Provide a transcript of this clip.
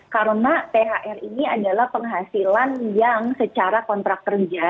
karena thr ini adalah penghasilan yang secara kontrak kerja